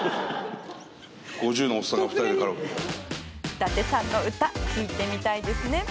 伊達さんの歌聞いてみたいですね。